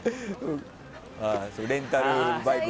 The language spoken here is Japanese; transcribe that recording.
レンタルバイクで。